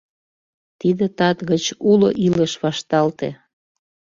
Тиде тат гыч уло илыш вашталте.